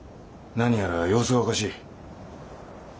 何やら様子がおかしい。